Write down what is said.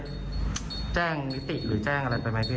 แจ้งนิติหรือแจ้งอะไรไปไหมพี่